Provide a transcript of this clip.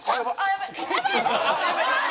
やばい！